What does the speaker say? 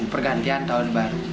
pergantian tahun baru